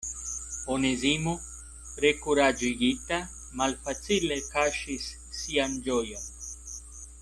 Onezimo rekuraĝigita malfacile kaŝis sian ĝojon.